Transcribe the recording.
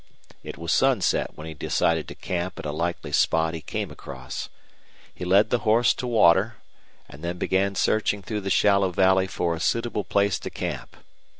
It was sunset when he decided to camp at a likely spot he came across. He led the horse to water, and then began searching through the shallow valley for a suitable place to camp.